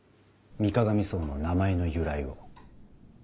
水鏡荘の名前の由来を。